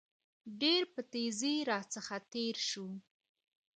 ډېر په تېزى راڅخه تېر شو.